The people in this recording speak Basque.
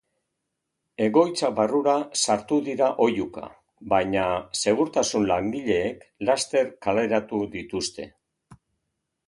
Egoitza barrura sartu dira oihuka, baina segurtasun langileek laster kaleratu dituzte.